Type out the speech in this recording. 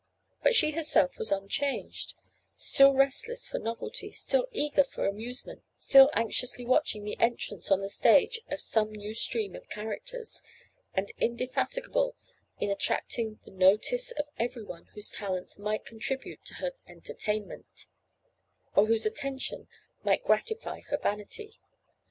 But she herself was unchanged; still restless for novelty, still eager for amusement; still anxiously watching the entrance on the stage of some new stream of characters, and indefatigable in attracting the notice of everyone whose talents might contribute to her entertainment, or whose attention might gratify her vanity.